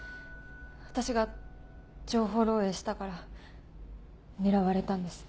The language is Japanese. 私が情報漏洩したから狙われたんです。